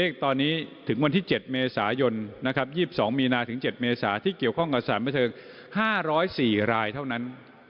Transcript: ซึ่งในวันที่สองมีนาถึงเจ็ดเมษาที่เกี่ยวข้องกับสารเมือเทิงห้าร้อยสี่รายเท่านั้น